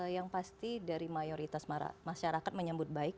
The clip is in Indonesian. yang pasti dari mayoritas masyarakat menyambut baik